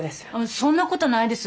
そんなことないです。